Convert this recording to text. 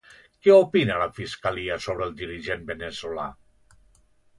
Què opina la Fiscalia sobre el dirigent veneçolà?